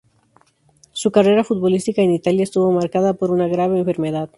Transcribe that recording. Su carrera futbolística en Italia estuvo marcada por una enfermedad grave.